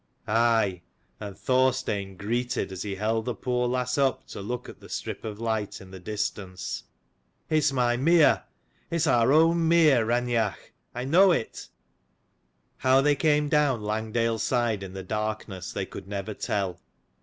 Aye, and Thorstein greeted as he held the poor lass up to look at the strip of light in the distance. " It is my mere, it is our own mere, Raineach. I know it!" How they came down Langdale side in the darkness they could never tell.